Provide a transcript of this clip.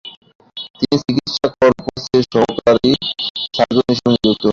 তিনি চিকিৎসা কর্পসে সহকারী সার্জন হিসেবে নিযুক্ত হন।